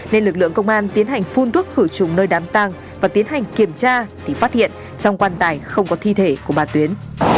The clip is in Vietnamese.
nên lực lượng công an tiến hành phun thuốc khử trùng nơi đám tàng và tiến hành kiểm tra thì phát hiện trong quan tài không có thi thể của bà tuyến